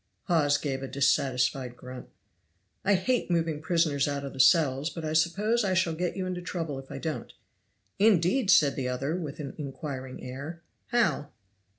Hawes gave a dissatisfied grunt. "I hate moving prisoners out of the cells; but I suppose I shall get you into trouble if I don't." "Indeed!" said the other, with an inquiring air; "how?"